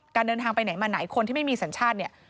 เดินทางไปไหนมาไหนคนที่ไม่มีสัญชาติเนี่ย